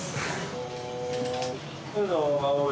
どうぞ。